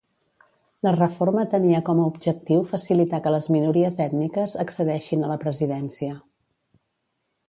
La reforma tenia com a objectiu facilitar que les minories ètniques accedeixin a la presidència.